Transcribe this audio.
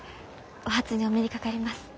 お初にお目にかかります。